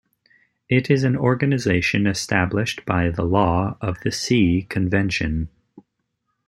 It is an organization established by the Law of the Sea Convention.